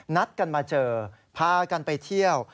นัดกันมาเจอพากันไปเที่ยว